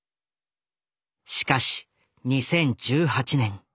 しかし２０１８年。